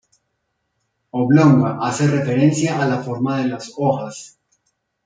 Oblonga, hace referencia a la forma de las hojas.